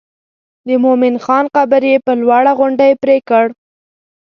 د مومن خان قبر یې پر لوړه غونډۍ پرېکړ.